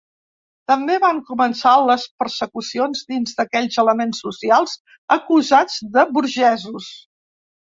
També van començar les persecucions dins d'aquells elements socials acusats de burgesos.